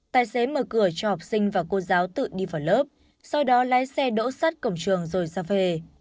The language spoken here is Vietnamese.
tài xế mở cửa cho học sinh và cô giáo tự đi vào lớp sau đó lái xe đỗ sát cổng trường rồi ra về